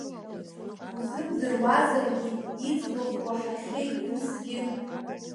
Дузымдыруазаргьы, иӡбахә уаҳахьеит усгьы.